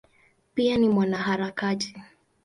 Pia ni mwanaharakati.